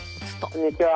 こんにちは。